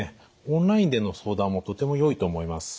オンラインでの相談もとてもよいと思います。